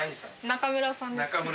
中村さん。